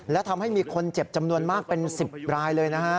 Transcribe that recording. และทำให้มีคนเจ็บจำนวนมากเป็น๑๐รายเลยนะฮะ